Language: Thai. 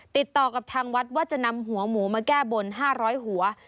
ติดต่อกับทางวัดว่าจะนำหัวหมูมาแก้บน๕๐๐หัว